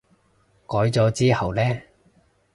改咗之後呢？